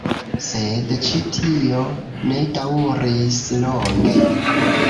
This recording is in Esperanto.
Sed ĉi tio ne daŭris longe.